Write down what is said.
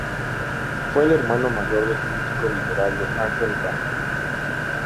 Fue el hermano mayor del crítico literario Ángel Rama.